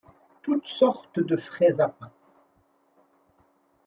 Toutes sortes de frais appas